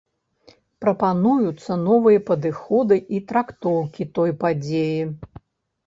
Прапануюцца новыя падыходы і трактоўкі той падзеі.